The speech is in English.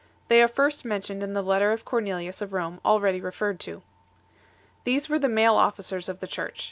They are first mentioned in the letter of Cornelius of Rome already referred to. These were the male officers of the Church.